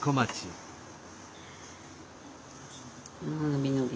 伸び伸び。